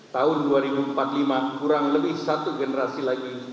tahun dua ribu empat puluh lima kurang lebih satu generasi lagi